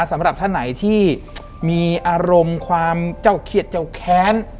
สำหรับท่านไหนที่มีอารมณ์ความเจ้าเขียดเจ้าแค้น